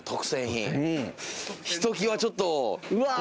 ひときわちょっと。